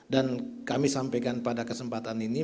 dan kami sampaikan pada kesempatan ini